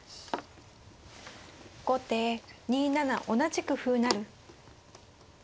後手２七同じく歩成。